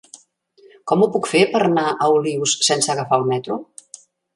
Com ho puc fer per anar a Olius sense agafar el metro?